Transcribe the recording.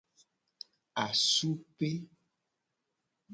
Asupe.